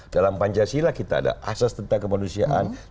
dalam pancasila kita ada asas tentang kemanusiaan